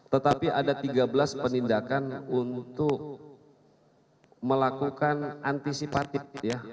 tetapi ada tiga belas penindakan untuk melakukan antisipatif